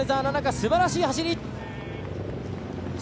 すばらしい走り。